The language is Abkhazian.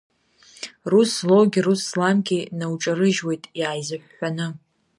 Рус злоугьы, рус зламгьы науҿарыжьуеит иааизыҳәҳәаны…